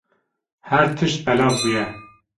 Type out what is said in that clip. Her tişt belav bûye.